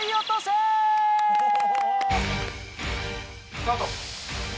スタート！